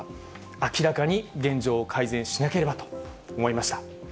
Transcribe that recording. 明らかに現状を改善しなければと思いました。